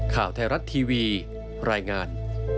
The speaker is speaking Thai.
ข่าวไทยรัฐทีวีรายงาน